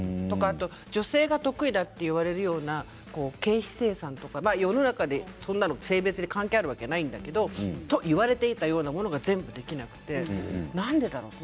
女性が得意だと言われるような経費精算世の中でそんなの性別関係あるわけないんですけどと言われていたものが全部できたかってなんでだろう